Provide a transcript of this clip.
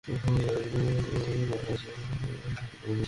তাঁরা প্রকৃতির খুব কাছাকাছি গিয়েছেন এবং প্রাকৃতিক শোভা দেখে মুগ্ধ হয়েছেন।